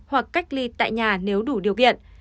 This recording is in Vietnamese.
hoặc cách ly tại nhà nếu đủ điều kiện